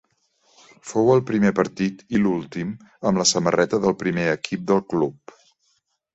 Fou el primer partit i l'últim amb la samarreta del primer equip del club.